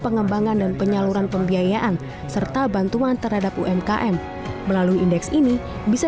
pengembangan dan penyaluran pembiayaan serta bantuan terhadap umkm melalui indeks ini bisa